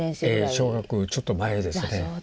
小学校よりちょっと前ですね。